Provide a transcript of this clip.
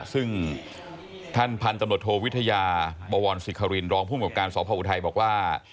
ซึ่งท่านพันธุ์ตำรวจโทวิทยาบวรศิครินรองภูมิกับการสอบพออุทัยบอกว่า